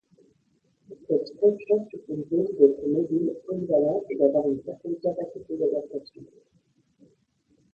Cette fonction suppose donc d’être mobile, polyvalent et d’avoir une certaine capacité d’adaptation.